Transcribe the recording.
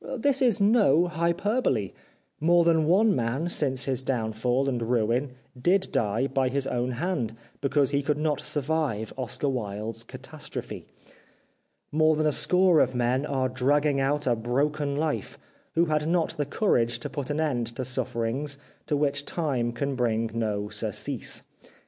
This is no hyperbole. More than one man since his downfall and ruin did die by his own hand, because he could not survive Oscar Wilde's catastrophe. More than a score of men are dragging out a broken life, who had not the courage to put an end to suffer ings to which time can bring no surcease.